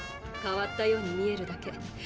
変わったように見えるだけ。